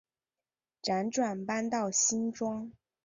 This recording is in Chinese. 辗转搬到新庄